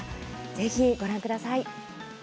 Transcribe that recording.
ぜひ、ご覧ください。